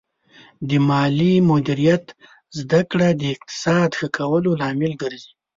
د مالي مدیریت زده کړه د اقتصاد ښه کولو لامل ګرځي.